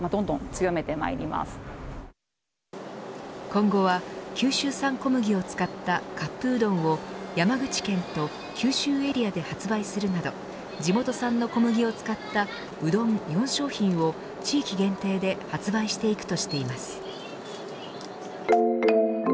今後は、九州産小麦を使ったカップうどんを山口県と九州エリアで発売するなど地元産の小麦を使ったうどん４商品を地域限定で発売していくとしています。